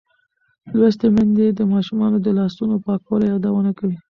لوستې میندې د ماشومانو د لاسونو پاکولو یادونه کوي.